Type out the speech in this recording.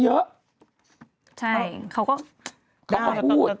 ใช่เขาก็พูด